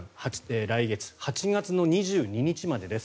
来月、８月２２日までです。